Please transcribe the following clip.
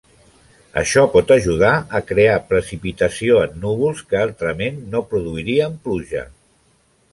Això pot ajudar a crear precipitació en núvols que altrament no produirien pluja.